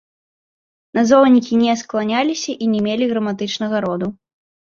Назоўнікі не скланяліся і не мелі граматычнага роду.